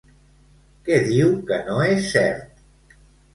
Què diu que no és cert?